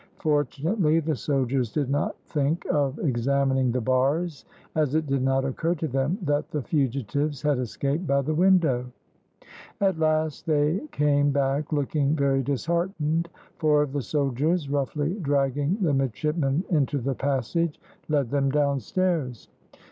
Fortunately, the soldiers did not think of examining the bars, as it did not occur to them that the fugitives had escaped by the window; at last they came back, looking very disheartened. Four of the soldiers, roughly dragging the midshipmen into the passage, led them downstairs.